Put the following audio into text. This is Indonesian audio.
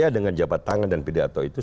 ya dengan jabat tangan dan pidato itu